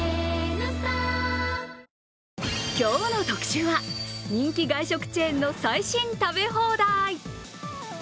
今日の特集は人気外食チェーンの最新食べ放題。